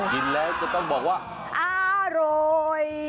กินแล้วจะต้องบอกว่าอร่อย